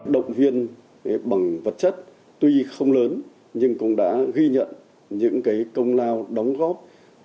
động viên bằng vật chất tuy không lớn nhưng cũng đã ghi nhận những công lao đóng góp